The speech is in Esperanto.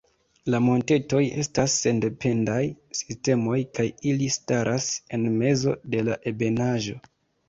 La montetoj estas sendependaj sistemoj kaj ili staras en mezo de la ebenaĵo.